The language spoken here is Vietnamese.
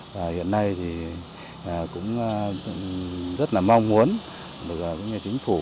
hiện nay thì cũng rất là mong muốn được những nhà chính phủ